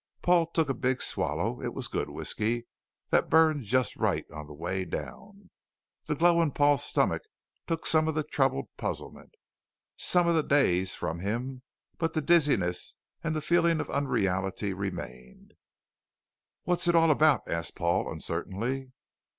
Paul took a big swallow; it was good whiskey that burned just right on the way down. The glow in Paul's stomach took some of the troubled puzzlement; some of the daze from him, but the dizziness and the feeling of unreality remained. "What's it all about?" asked Paul uncertainly.